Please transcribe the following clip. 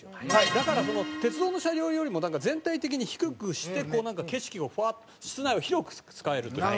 だから鉄道の車両よりも全体的に低くしてこうなんか景色をフワッ室内を広く使えるという。